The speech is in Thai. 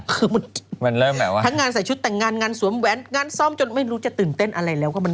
คือมันทั้งงานใส่ชุดแต่งงานงานสวมแว้นงานซ่อมจนไม่รู้จะตื่นเต้นอะไรแล้ว